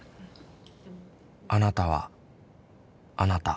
あなたはあなた。